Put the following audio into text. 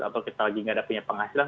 atau kita lagi nggak ada punya penghasilan